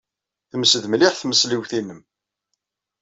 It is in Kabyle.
Temsed mliḥ tmesliwt-nnem.